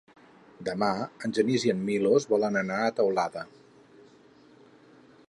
Demà en Genís i en Milos volen anar a Teulada.